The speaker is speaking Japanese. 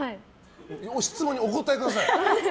質問にお答えください。